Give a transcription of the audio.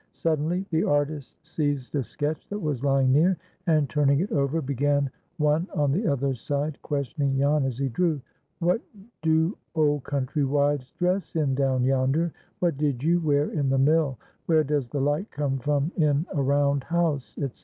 Suddenly the artist seized a sketch that was lying near, and, turning it over, began one on the other side, questioning Jan as he drew. "What do old country wives dress in down yonder?—What did you wear in the mill?—Where does the light come from in a round house," etc.